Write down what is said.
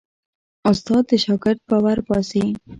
استاد د شاګرد باور باسي.